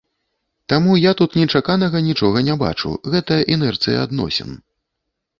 Таму я тут нечаканага нічога не бачу, гэта інэрцыя адносін.